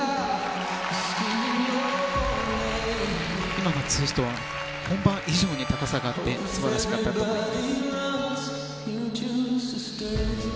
今のツイストは本番以上に高さがあって素晴らしかったと思います。